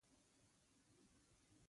روژه د الهي نعمتونو قدرداني ده.